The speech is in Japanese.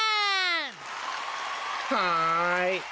はい。